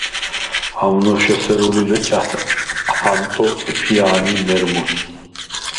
ამნოშ ესერუ ლი ლჷჭა̈თ ჰანტო წიფია̄ნ ი მერმუცდ!